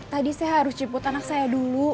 tadi saya harus jemput anak saya dulu